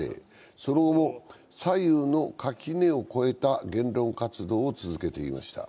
その後も左右の垣根を越えた言論活動を続けていました。